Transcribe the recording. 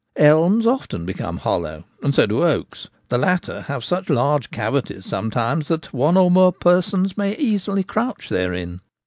Elms often become hollow,, and so do oaks ; the latter have such large cavities sometimes that one or more persons may easily crouch therein.